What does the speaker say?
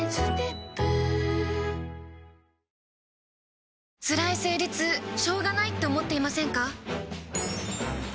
キッコーマンつらい生理痛しょうがないって思っていませんか？